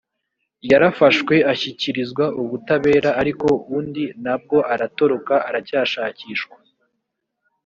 yarafashwe ashyikirizwa ubutabera ariko undi nabwo aratoroka aracyashakishwa